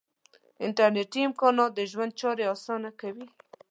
انټرنیټي امکانات د ژوند چارې آسانه کوي.